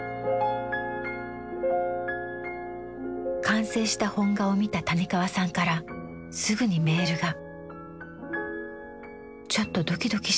完成した本画を見た谷川さんからすぐにメールが。